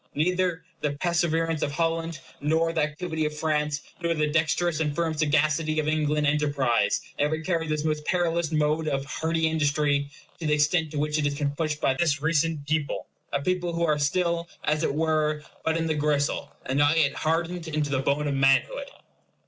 Neither the perseverance of Holland, nor the activity of France, nor the dexterous and firm sagacity of English enterprise ever carried this most perilous mode of hardy industry to the extent to which it has been pushed by this recent people; a people who are still, as it were, but in the gristle, and not yet hardened into the bone of manhood.